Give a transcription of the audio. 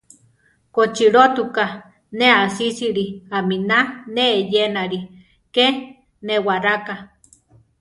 Kochilótuka ne asísili, aminá ne eyénali, ké néwaraká.